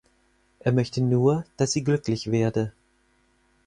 Er möchte nur, dass sie glücklich werde.